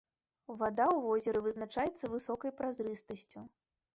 Вада ў возеры вызначаецца высокай празрыстасцю.